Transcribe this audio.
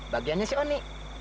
bagiannya si oni